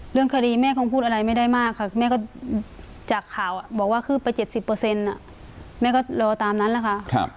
เรื่องคดีแม่คงพูดอะไรไม่ได้มากค่ะแม่ก็จากข่าวบอกว่าคืบไป๗๐แม่ก็รอตามนั้นแหละค่ะ